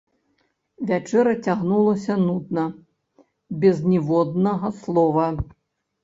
Вячэра цягнулася нудна, без ніводнага слова.